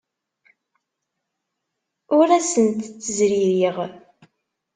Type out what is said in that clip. Ur ad asent-ttezririɣ.